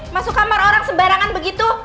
masuk kamar orang sebarangan begitu